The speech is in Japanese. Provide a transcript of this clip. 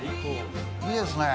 いいですねぇ。